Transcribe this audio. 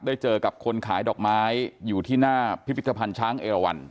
เจอกับคนขายดอกไม้อยู่ที่หน้าพิพิธภัณฑ์ช้างเอราวัน